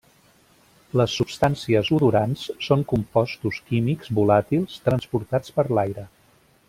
Les substàncies odorants són compostos químics volàtils transportats per l'aire.